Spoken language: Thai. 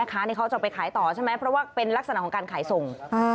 เขาจะไปขายต่อใช่ไหมเพราะว่าเป็นลักษณะของการขายส่ง